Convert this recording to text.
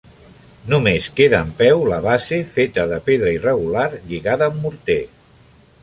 Només queda en peu la base, feta de pedra irregular lligada amb morter.